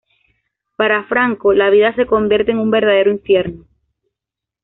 Para Franco, la vida se convierte en un verdadero infierno.